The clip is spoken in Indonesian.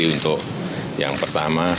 untuk yang pertama